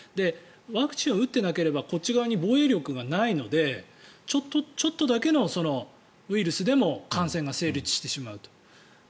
ワクチンを打ってなければこっち側に防衛力がないのでちょっとだけのウイルスでも感染が成立してしまうと。